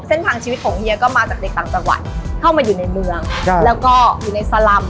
เส้นทางชีวิตของเฮียก็มาจากเด็กต่างจังหวัดเข้ามาอยู่ในเมืองแล้วก็อยู่ในสลำ